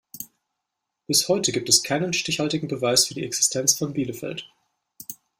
Bis heute gibt es keinen stichhaltigen Beweis für die Existenz von Bielefeld.